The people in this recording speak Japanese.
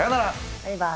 バイバイ。